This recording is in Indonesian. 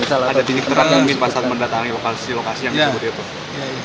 ada tingkat terang mungkin pas mengetahui lokasi lokasi yang disebut itu